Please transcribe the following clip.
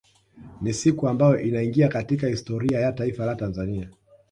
Ni siku ambayo inaingia katika historia ya taifa la Tanzania